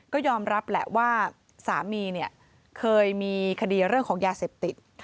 ก็ยอมรับแหละว่าสามีเนี่ยเคยมีคดีเรื่องของยาเสพติด